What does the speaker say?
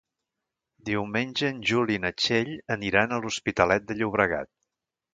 Diumenge en Juli i na Txell aniran a l'Hospitalet de Llobregat.